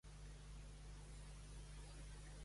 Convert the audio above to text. La granja de Farnham és un lloc històric nacional.